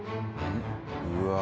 うわ。